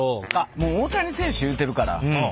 もう大谷選手言うてるから簡単や。